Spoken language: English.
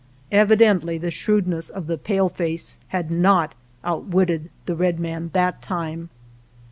Evidently the shrewdness of the paleface had not outwitted the red man that time.